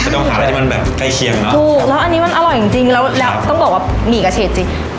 ต้องหาอะไรที่มันแบบใกล้เคียงเนอะถูกแล้วอันนี้มันอร่อยจริงจริงแล้วแล้วต้องบอกว่าหมี่กระเฉดจริง